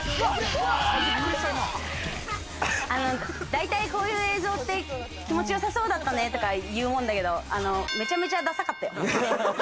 だいたいこういう映像って気持ちよさそうだねって言うもんだけど、めちゃめちゃダサかったよ。